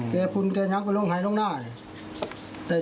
แกพุนแกยังไปลงไหนลงหน้าเนี่ย